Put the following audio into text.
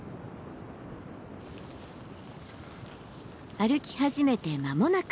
歩き始めて間もなく。